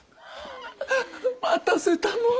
待たせたのう。